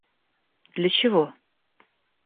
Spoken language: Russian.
Для чего?